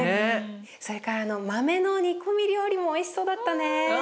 それからあの豆の煮込み料理もおいしそうだったね。